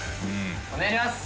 お願いします！